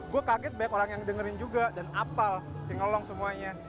gue kaget banyak orang yang dengerin juga dan apal sih ngelong semuanya